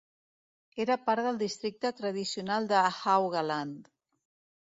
Era part del districte tradicional de Haugaland.